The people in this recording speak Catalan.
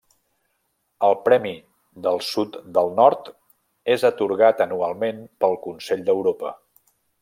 El Premi–Del sud Del nord és atorgat anualment pel Consell d'Europa.